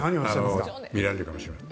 見られるかもしれない。